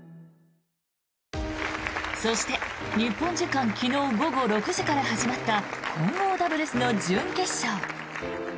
そして日本時間昨日午後６時から始まった混合ダブルスの準決勝。